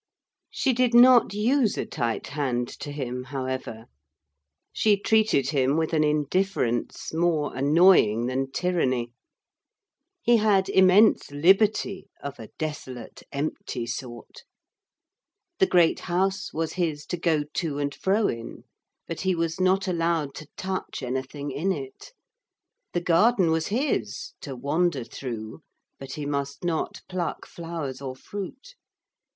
She did not use a tight hand to him, however. She treated him with an indifference more annoying than tyranny. He had immense liberty of a desolate, empty sort. The great house was his to go to and fro in. But he was not allowed to touch anything in it. The garden was his to wander through, but he must not pluck flowers or fruit.